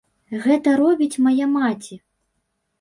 Гэта робіць мая маці.